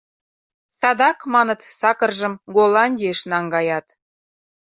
Садак, маныт, сакыржым Голландийыш наҥгаят.